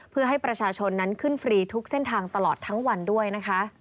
เพื่อให้ประชาชนนั้นขึ้นฟรีทุกเส้นทางตลอดทั้งวันด้วยนะคะ